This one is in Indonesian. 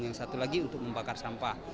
yang satu lagi untuk membakar sampah